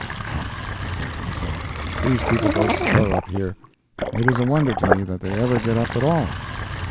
Humph! I said to myself, these people go slow up here; it is a wonder to me that they ever get up at all.